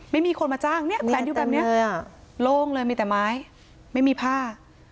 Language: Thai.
ไม่มีคนมาจ้างเนี่ยแขวนอยู่แบบนี้โล่งเลยมีแต่ไม้ไม่มีผ้า